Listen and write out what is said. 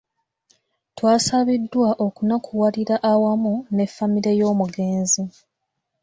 Twasabiddwa okunakuwalira awamu ne famire y'omugenzi.